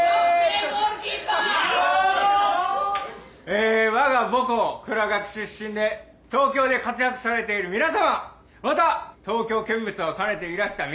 えぇ我が母校倉学出身で東京で活躍されている皆様また東京見物を兼ねていらした皆様。